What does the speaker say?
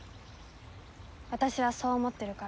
私はそう思ってるから。